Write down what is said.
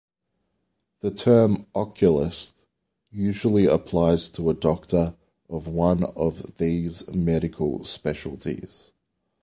The term "oculist" usually applies to a doctor of one of these medical specialties.